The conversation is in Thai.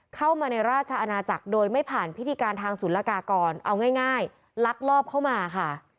เข้ามาในราชอาณาจักรโดยไม่ผ่านพิธีการทางศูนย์ละกากรเอาง่ายลักลอบเข้ามาค่ะ